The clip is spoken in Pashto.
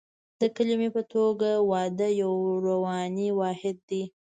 د کلمې په توګه واده یو رواني واحد دی